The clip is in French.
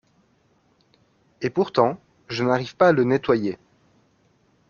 Et pourtant, je n’arrive pas à le nettoyer.